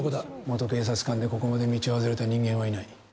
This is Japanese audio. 元警察官でここまで道を外れた人間はいない。